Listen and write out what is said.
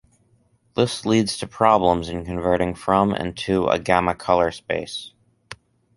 This leads to problems in converting from and to a gamma color space.